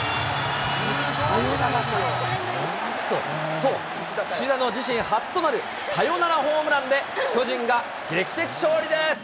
そう、岸田の自身初となるサヨナラホームランで、巨人が劇的勝利です。